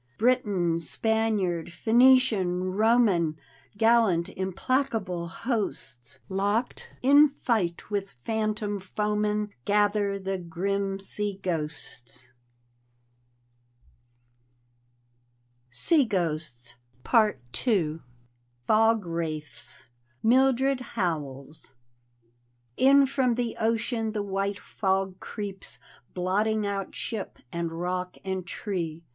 Briton, Spaniard, Fhcenician, Roman, Gallant implacable hosts — 1 in fi^t with phantom foeman, Gather the grim sea ghosts. FOG WRAITHS : mildrbd howells In from the ocean the white fog creeps. Blotting out ship, and rock, and tree.